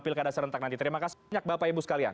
pilkada serentak nanti terima kasih banyak bapak ibu sekalian